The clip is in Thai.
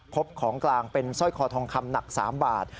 พบของกลางเป็นสร้อยคอทองคำหนัก๓บาท